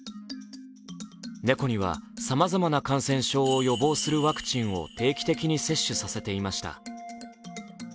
猫にはさまざまな感染症を予防するワクチンを定期的に接種させていました。